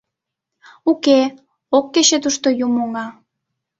Уке, ок кече тушто юмоҥа.